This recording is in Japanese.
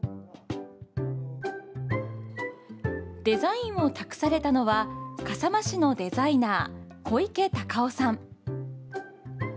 デザインを託されたのは笠間市のデザイナー小池隆夫さん。